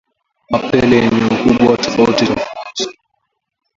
Mapele yenye ukubwa tofauti tofauti